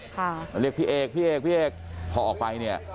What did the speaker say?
เขาเรียกพี่เอกพี่เอกพี่เอกพอออกไปเนี่ย